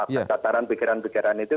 nah tataran pikiran pikiran itu